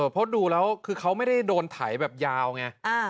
เพราะดูแล้วคือเขาไม่ได้โดนไถแบบยาวไง